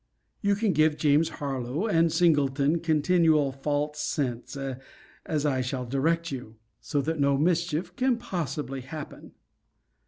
You can give James Harlowe and Singleton continual false scents, as I shall direct you; so that no mischief can possibly happen.